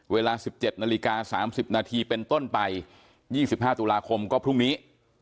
เวลา๑๗นาฬิกา๓๐นาทีเป็นต้นไป๒๕ตุลาคมก็พรุ่งนี้